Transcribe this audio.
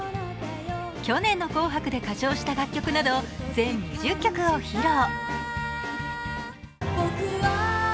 去年の紅白で歌唱した楽曲など全２０曲を披露。